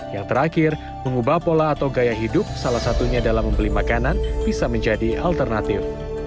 yang terakhir mengubah pola atau gaya hidup salah satunya dalam membeli makanan bisa menjadi alternatif